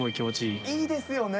いいですね。